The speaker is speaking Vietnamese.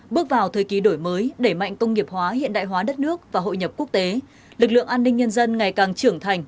bước vào thời kỳ đổi mới đẩy mạnh công nghiệp hóa hiện đại hóa đất nước và hội nhập quốc tế lực lượng an ninh nhân dân ngày càng trưởng thành